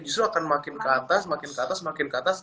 justru akan makin ke atas makin ke atas makin ke atas